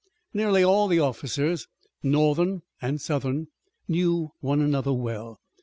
Nearly all the officers, Northern and Southern, knew one another well.